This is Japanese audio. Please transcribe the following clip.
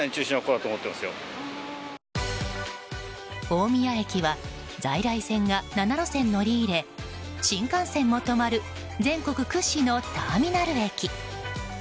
大宮駅は、在来線が７路線乗り入れ新幹線も止まる全国屈指のターミナル駅。